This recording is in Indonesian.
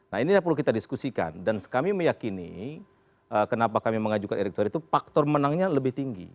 nah ini yang perlu kita diskusikan dan kami meyakini kenapa kami mengajukan erick thohir itu faktor menangnya lebih tinggi